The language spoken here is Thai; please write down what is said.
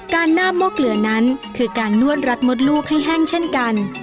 หน้าหม้อเกลือนั้นคือการนวดรัดมดลูกให้แห้งเช่นกัน